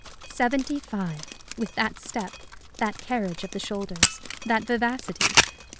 Seventy five! with that step, that carriage of the shoulders, that vivacity!